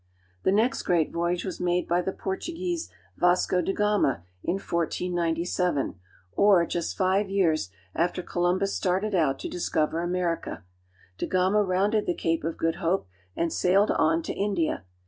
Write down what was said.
The next great voyage was made by the Portuguese, Vasco da Gama (vas'ko da ga'ma), in 1497, or just five years after Columbus started out to discover America. Da Gama rounded the Cape of Good Hope and sailed on to India.